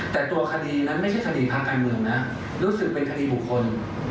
แต่ตัวคดีนั้นไม่ใช่คดีทางการเมืองนะรู้สึกเป็นคดีบุคคล